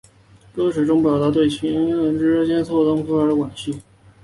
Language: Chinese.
在歌曲中用来表示对情人之间错综复杂难以割舍的惋惜。